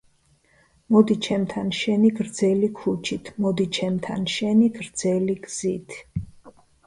მოდი ჩემთან შენი გრძელი ქუჩით მოდი ჩემთან შენი გრძელი გზით